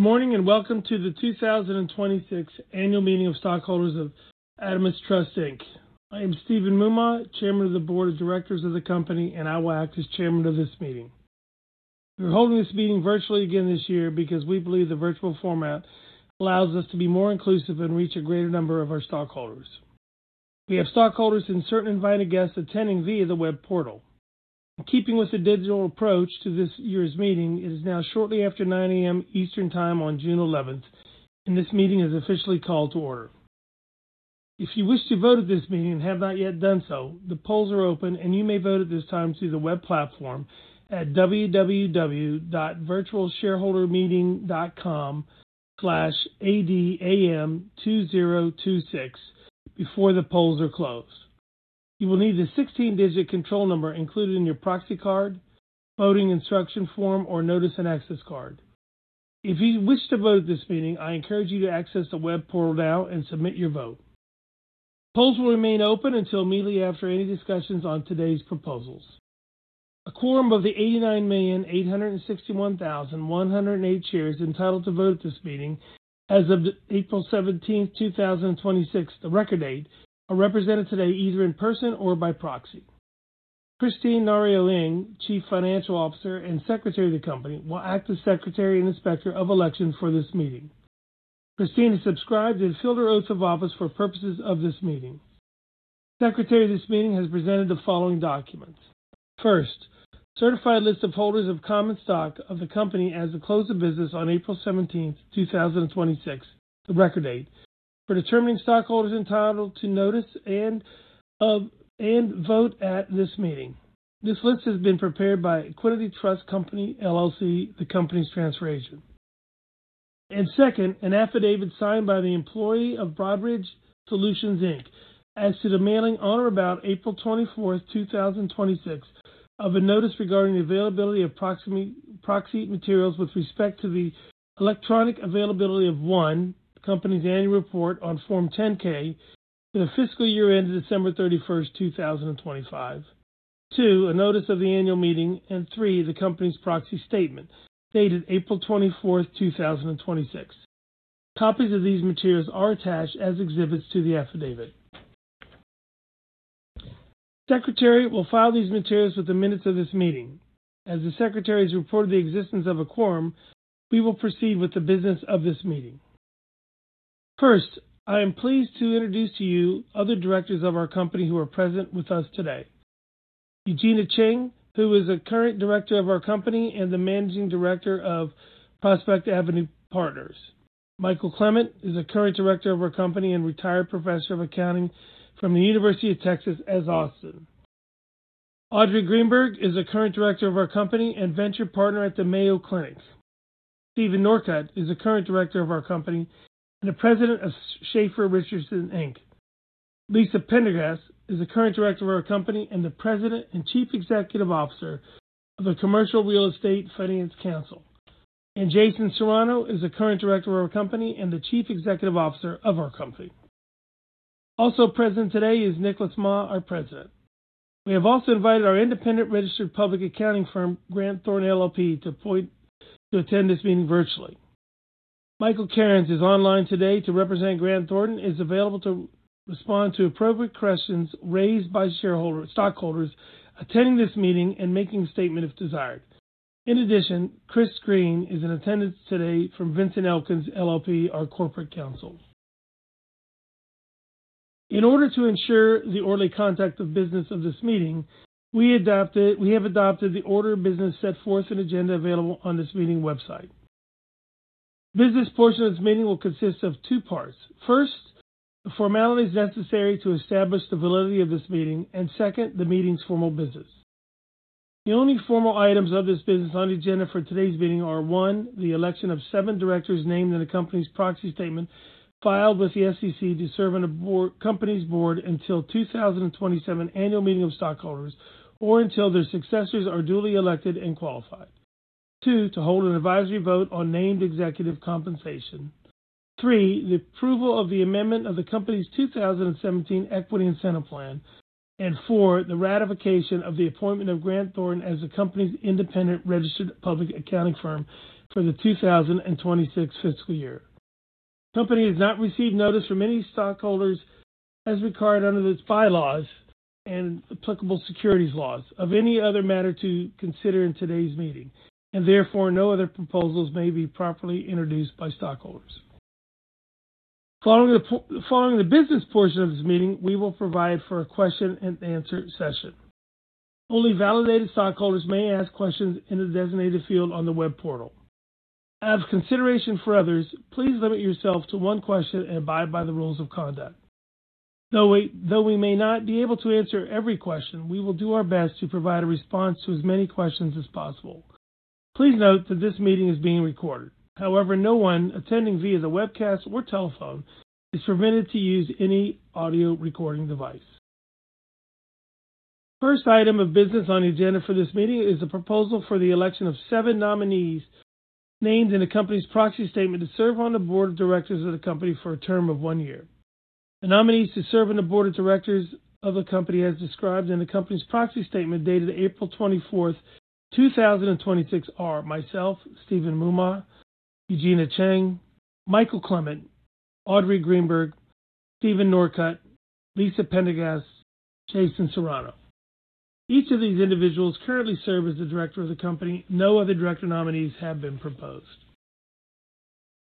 Morning and welcome to the 2026 Annual Meeting of Stockholders of Adamas Trust, Inc. I am Steven Mumma, Chairman of the Board of Directors of the company, and I will act as chairman of this meeting. We're holding this meeting virtually again this year because we believe the virtual format allows us to be more inclusive and reach a greater number of our stockholders. We have stockholders and certain invited guests attending via the web portal. In keeping with the digital approach to this year's meeting, it is now shortly after 9:00 A.M. Eastern Time on June 11th, and this meeting is officially called to order. If you wish to vote at this meeting and have not yet done so, the polls are open, and you may vote at this time through the web platform at www.virtualshareholdermeeting.com/adam2026 before the polls are closed. You will need the 16-digit control number included in your proxy card, voting instruction form, or notice and access card. If you wish to vote at this meeting, I encourage you to access the web portal now and submit your vote. Polls will remain open until immediately after any discussions on today's proposals. A quorum of the 89,861,108 shares entitled to vote at this meeting as of April 17th, 2026, the record date, are represented today either in person or by proxy. Kristine Nario-Eng, Chief Financial Officer and Secretary of the company, will act as Secretary and Inspector of Election for this meeting. Kristine has subscribed and filed her oaths of office for purposes of this meeting. The Secretary of this meeting has presented the following documents. First, certified list of holders of common stock of the company as of close of business on April 17th, 2026, the record date, for determining stockholders entitled to notice and vote at this meeting. This list has been prepared by Equiniti Trust Company, LLC, the company's transfer agent. Second, an affidavit signed by the employee of Broadridge Financial Solutions, Inc. as to the mailing on or about April 24th, 2026, of a notice regarding the availability of proxy materials with respect to the electronic availability of, one, the company's annual report on Form 10-K for the fiscal year end of December 31st, 2025. Two, a notice of the annual meeting. Three, the company's proxy statement dated April 24th, 2026. Copies of these materials are attached as exhibits to the affidavit. Secretary will file these materials with the minutes of this meeting. As the Secretary has reported the existence of a quorum, we will proceed with the business of this meeting. First, I am pleased to introduce to you other directors of our company who are present with us today. Eugenia Cheng, who is a current director of our company and the managing director of Prospect Avenue Partners. Michael Clement is a current director of our company and retired Professor of Accounting from the University of Texas at Austin. Audrey Greenberg is a current director of our company and venture partner at the Mayo Clinic. Stephen Norcutt is a current director of our company and the President of Schafer Richardson Inc. Lisa Pendergast is a current director of our company and the President and Chief Executive Officer of the Commercial Real Estate Finance Council. Jason Serrano is a current director of our company and the Chief Executive Officer of our company. Also present today is Nicholas Mah, our President. We have also invited our independent registered public accounting firm, Grant Thornton LLP, to attend this meeting virtually. Michael Cairns is online today to represent Grant Thornton, and is available to respond to appropriate questions raised by stockholders attending this meeting and making a statement if desired. In addition, Chris Green is in attendance today from Vinson & Elkins LLP, our corporate counsel. In order to ensure the orderly conduct of business of this meeting, we have adopted the order of business set forth in agenda available on this meeting website. The business portion of this meeting will consist of two parts. First, the formalities necessary to establish the validity of this meeting, and second, the meeting's formal business. The only formal items of this business on the agenda for today's meeting are, one, the election of seven directors named in the company's proxy statement filed with the SEC to serve on the company's board until the 2027 Annual Meeting of Stockholders, or until their successors are duly elected and qualified. Two, to hold an advisory vote on named executive compensation. Three, the approval of the amendment of the company's 2017 Equity Incentive Plan. Four, the ratification of the appointment of Grant Thornton as the company's independent registered public accounting firm for the 2026 fiscal year. The company has not received notice from any stockholders as required under its bylaws and applicable securities laws of any other matter to consider in today's meeting. Therefore, no other proposals may be properly introduced by stockholders. Following the business portion of this meeting, we will provide for a question and answer session. Only validated stockholders may ask questions in the designated field on the web portal. Out of consideration for others, please limit yourself to one question and abide by the rules of conduct. Though we may not be able to answer every question, we will do our best to provide a response to as many questions as possible. Please note that this meeting is being recorded. However, no one attending via the webcast or telephone is permitted to use any audio recording device. First item of business on the agenda for this meeting is the proposal for the election of seven nominees named in the company's proxy statement to serve on the board of directors of the company for a term of one year. The nominees to serve on the board of directors of the company as described in the company's proxy statement dated April 24th, 2026 are myself, Steven Mumma, Eugenia Cheng, Michael Clement, Audrey Greenberg, Steven Norcutt, Lisa Pendergast, Jason Serrano. Each of these individuals currently serve as the director of the company. No other director nominees have been proposed.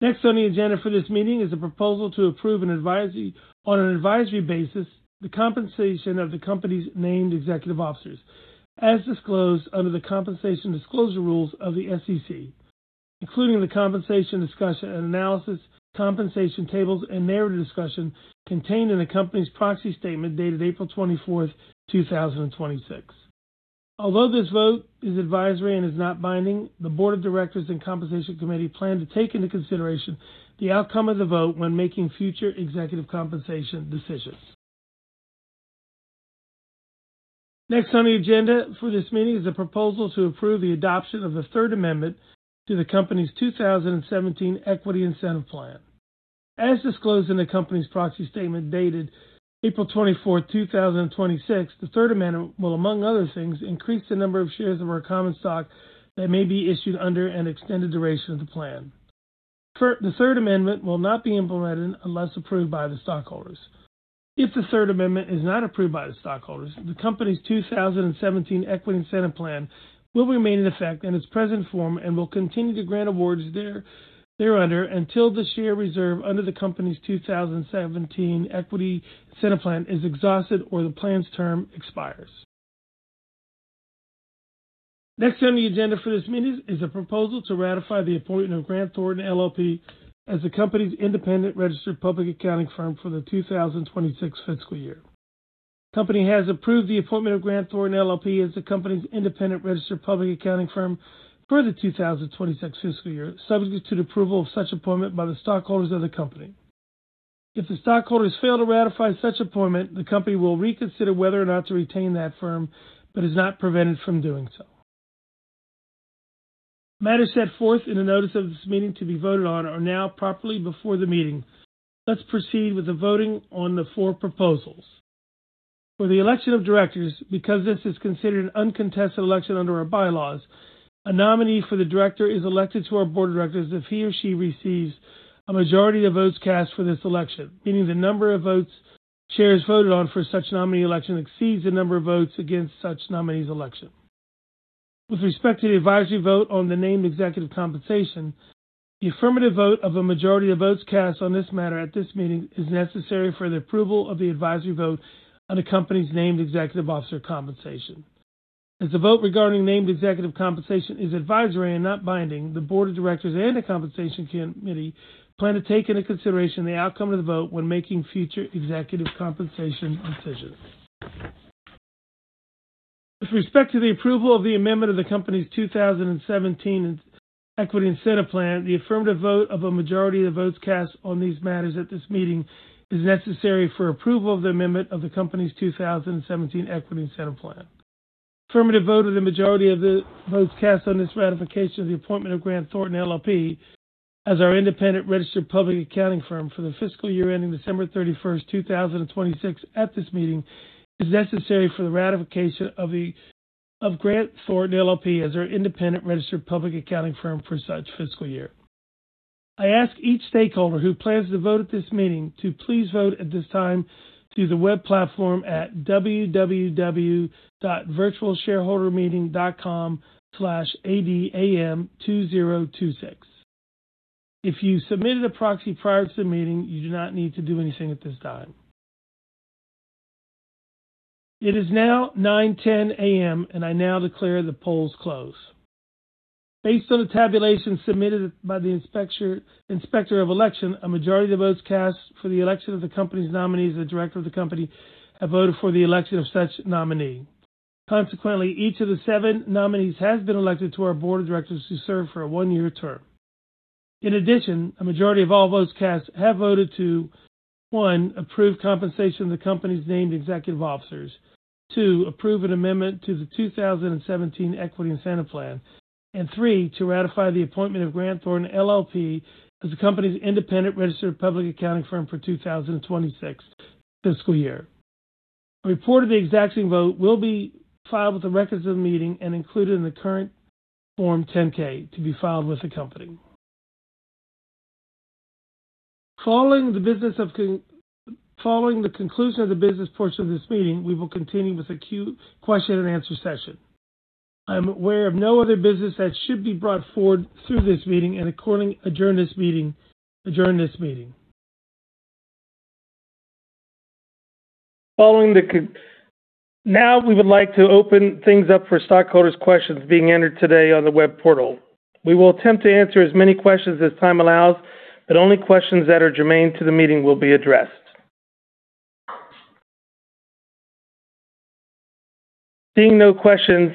Next on the agenda for this meeting is a proposal to approve on an advisory basis the compensation of the company's named executive officers as disclosed under the compensation disclosure rules of the SEC, including the compensation discussion and analysis, compensation tables, and narrative discussion contained in the company's proxy statement, dated April 24th, 2026. Although this vote is advisory and is not binding, the board of directors and compensation committee plan to take into consideration the outcome of the vote when making future executive compensation decisions. Next on the agenda for this meeting is a proposal to approve the adoption of the third amendment to the company's 2017 Equity Incentive Plan. As disclosed in the company's proxy statement dated April 24th, 2026, the third amendment will, among other things, increase the number of shares of our common stock that may be issued under an extended duration of the plan. The third amendment will not be implemented unless approved by the stockholders. If the third amendment is not approved by the stockholders, the company's 2017 Equity Incentive Plan will remain in effect in its present form and will continue to grant awards thereunder until the share reserve under the company's 2017 Equity Incentive Plan is exhausted or the plan's term expires. Next on the agenda for this meeting is a proposal to ratify the appointment of Grant Thornton LLP as the company's independent registered public accounting firm for the 2026 fiscal year. The company has approved the appointment of Grant Thornton LLP as the company's independent registered public accounting firm for the 2026 fiscal year, subject to the approval of such appointment by the stockholders of the company. If the stockholders fail to ratify such appointment, the company will reconsider whether or not to retain that firm, but is not prevented from doing so. Matters set forth in the notice of this meeting to be voted on are now properly before the meeting. Let's proceed with the voting on the four proposals. For the election of directors, because this is considered an uncontested election under our bylaws, a nominee for the director is elected to our board of directors if he or she receives a majority of votes cast for this election, meaning the number of votes voted on for such nominee election exceeds the number of votes against such nominee's election. With respect to the advisory vote on the named executive compensation, the affirmative vote of a majority of votes cast on this matter at this meeting is necessary for the approval of the advisory vote on the company's named executive officer compensation. As the vote regarding named executive compensation is advisory and not binding, the board of directors and the compensation committee plan to take into consideration the outcome of the vote when making future executive compensation decisions. With respect to the approval of the amendment of the company's 2017 Equity Incentive Plan, the affirmative vote of a majority of the votes cast on these matters at this meeting is necessary for approval of the amendment of the company's 2017 Equity Incentive Plan. Affirmative vote of the majority of the votes cast on this ratification of the appointment of Grant Thornton LLP as our independent registered public accounting firm for the fiscal year ending December 31st, 2026 at this meeting is necessary for the ratification of Grant Thornton LLP as our independent registered public accounting firm for such fiscal year. I ask each stakeholder who plans to vote at this meeting to please vote at this time through the web platform at www.virtualshareholdermeeting.com/adam2026. If you submitted a proxy prior to the meeting, you do not need to do anything at this time. It is now 9:10 A.M. I now declare the polls closed. Based on the tabulation submitted by the inspector of election, a majority of the votes cast for the election of the company's nominees of the director of the company have voted for the election of such nominee. Consequently, each of the seven nominees has been elected to our board of directors to serve for a one-year term. In addition, a majority of all votes cast have voted to, one, approve compensation of the company's named executive officers. Two, approve an amendment to the 2017 Equity Incentive Plan. Three, to ratify the appointment of Grant Thornton LLP as the company's independent registered public accounting firm for 2026 fiscal year. A report of the exact same vote will be filed with the records of the meeting and included in the current Form 10-K to be filed with the company. Following the conclusion of the business portion of this meeting, we will continue with a question and answer session. I am aware of no other business that should be brought forward through this meeting, accordingly, adjourn this meeting. Now, we would like to open things up for stockholders' questions being entered today on the web portal. We will attempt to answer as many questions as time allows, but only questions that are germane to the meeting will be addressed. Seeing no questions,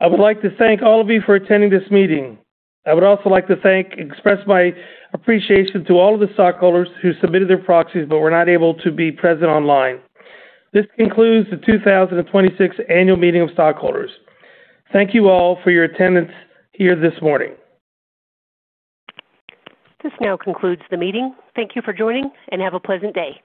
I would like to thank all of you for attending this meeting. I would also like to express my appreciation to all of the stockholders who submitted their proxies but were not able to be present online. This concludes the 2026 annual meeting of stockholders. Thank you all for your attendance here this morning. This now concludes the meeting. Thank you for joining, and have a pleasant day.